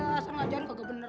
busetnya cepetan dong